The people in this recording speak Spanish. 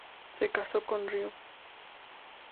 Se casó con el Rev.